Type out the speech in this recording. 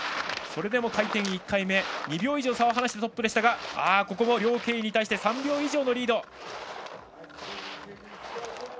それでも回転１回目２秒以上差をつけてトップでしたがここも梁景怡に対して３秒以上のリード。